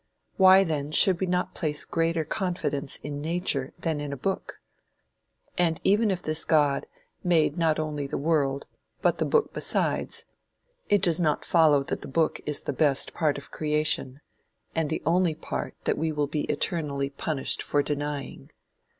Why then should we not place greater confidence in Nature than in a book? And even if this God made not only the world but the book besides, it does not follow that the book is the best part of Creation, and the only part that we will be eternally punished for denying.